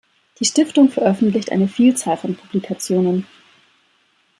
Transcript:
Die Stiftung veröffentlicht eine Vielzahl von Publikationen.